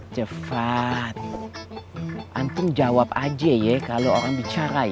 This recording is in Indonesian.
cepat antung jawab aja ya kalau orang bicara ya